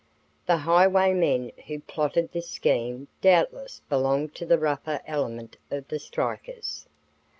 "The highwaymen who plotted this scheme doubtless belong to the rougher element of the strikers.